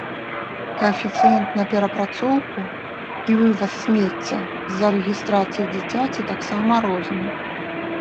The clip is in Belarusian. Каэфіцыент на перапрацоўку і вываз смецця з-за рэгістрацыі дзіцяці таксама розны.